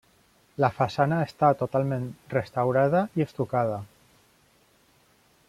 La façana està totalment restaurada i estucada.